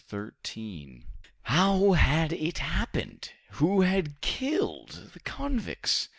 Chapter 13 How had it happened? who had killed the convicts?